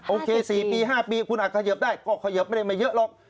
โอเค๔ปี๕ปีคุณอาจเขยิบได้ก็เขยิบไม่ได้มาเยอะหรอก